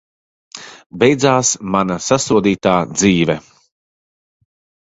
Beidzās mana sasodītā dzīve!